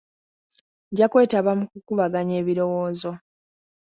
Nja kwetaba mu kukubaganya ebirowoozo.